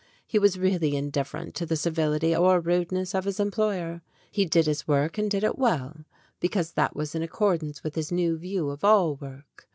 He was really indifferent to the civility or rudeness of his employer. He did his work and did it well, because that was in accordance with his new view of all work.